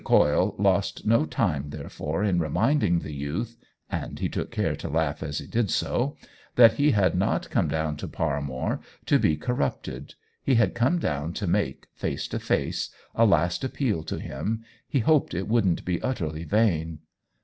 Coyle lost no time therefore in reminding the youth (and he took care to laugh as he did so) that he had not come down to Paramore to be cor rupted. He had come down to make, face to face, a last appeal to him — he hoped it wouldn't be utterly vain.